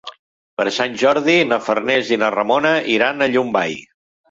Per Sant Jordi na Farners i na Ramona iran a Llombai.